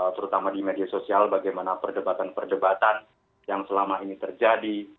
terutama di media sosial bagaimana perdebatan perdebatan yang selama ini terjadi